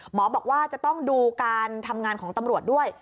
บอกว่าจะต้องดูการทำงานของตำรวจด้วย